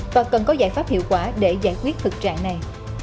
và cần có giải pháp hiệu quả để giải quyết thực trạng này